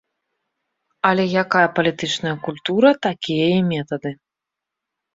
Але якая палітычная культура, такія і метады.